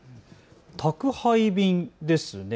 宅配便ですね。